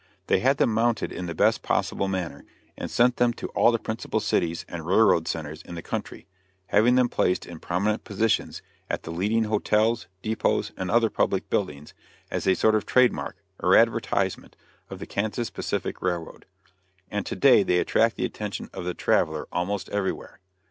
They had them mounted in the best possible manner, and sent them to all the principal cities and railroad centers in the country, having them placed in prominent positions at the leading hotels, dépôts, and other public buildings, as a sort of trade mark, or advertisement, of the Kansas Pacific Railroad; and to day they attract the attention of the traveler almost everywhere.